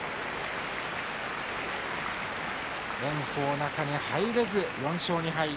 炎鵬、中に入れず４勝２敗。